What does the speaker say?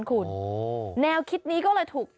คุณแนวคิดนี้ก็เลยถูก